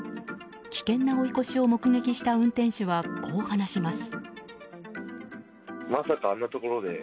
危険な追い越しを目撃した運転手はこう話します。